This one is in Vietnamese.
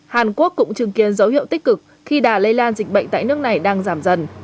hàn quốc cũng chứng kiến dấu hiệu tích cực khi đà lây lan dịch bệnh tại nước này đang giảm dần